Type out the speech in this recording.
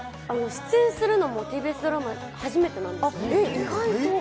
出演するのもＴＢＳドラマ初めてなんですね。